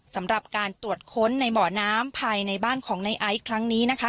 สำหรับการตรวจค้นในเบาะน้ำภายในบ้านของในไอซ์ครั้งนี้นะคะ